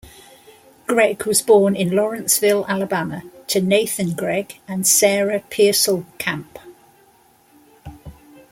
Gregg was born in Lawrenceville, Alabama, to Nathan Gregg and Sarah Pearsall Camp.